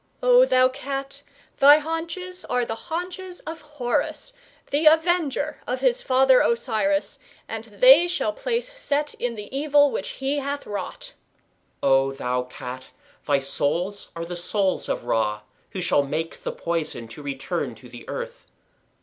O thou Cat, thy haunches are the haunches of Horus, the avenger (or, advocate) of his father Osiris, and they shall place Set in the evil which he hath wrought. O thou Cat, thy soles are the soles of Ra, who shall make the poison to return to the earth.